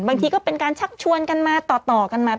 บางทีก็เป็นการชักชวนกันมาต่อกันมา